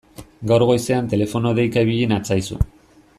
Gaur goizean telefono deika ibili natzaizu.